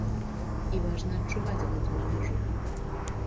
І важна адчуваць гэтую мяжу.